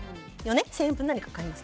１０００円分何か買います。